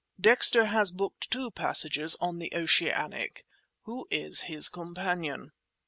"Dexter has booked two passages in the Oceanic. Who is his companion?"